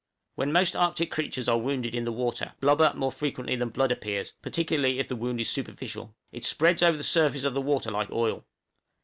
When most Arctic creatures are wounded in the water, blubber more frequently than blood appears, particularly if the wound is superficial it spreads over the surface of the water like oil.